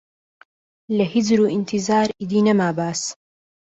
لە هیجر و ئینتیزار ئیدی نەما باس